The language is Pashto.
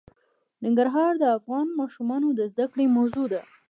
ننګرهار د افغان ماشومانو د زده کړې موضوع ده.